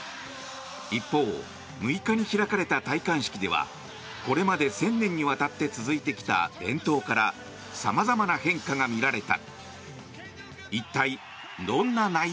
一方、６日に開かれた戴冠式ではこれまで１０００年にわたって続いてきた伝統からさまざまな変化が見られた。